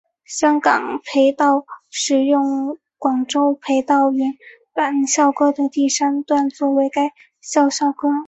香港培道使用广州培道原版校歌的第三段作为该校校歌。